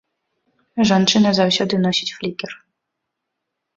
Жанчына заўсёды носіць флікер.